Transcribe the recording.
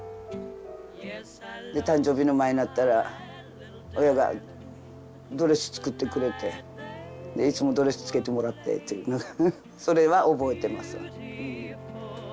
で誕生日の前になったら親がドレス作ってくれていつもドレスつけてもらってっていうのをそれは覚えてます。